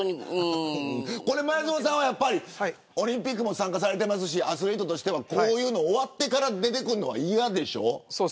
前園さんはオリンピックも参加されていますしアスリートとしては、こういうの終わってから出てくるのは嫌でしょう。